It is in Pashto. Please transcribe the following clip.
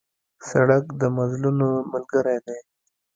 سړک د مزلونو ملګری دی.